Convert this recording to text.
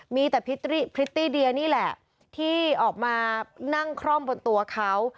มีแต่พริตตี้เดียนี่แหละที่ออกมานั่งคล่อมบนตัวเขา